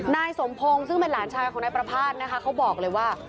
นายสมพงศ์ซึ่งเป็นหลานชายของนายประภาษณ์นะคะเขาบอกเลยว่า